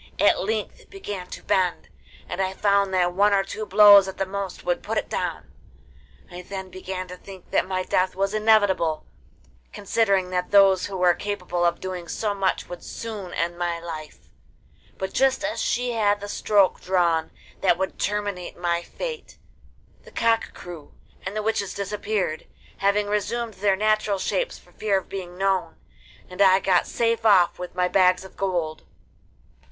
At length it began to bend, and I found that one or two blows at the most would put it down. I then began to think that my death was inevitable, considering that those who were capable of doing so much would soon end my life; but just as she had the stroke drawn that would terminate my fate, the cock crew, and the witches disappeared, having resumed their natural shapes for fear of being known, and I got safe off with my bags of gold.